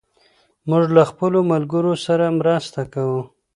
موږ له خپلو ملګرو سره مرسته کوو.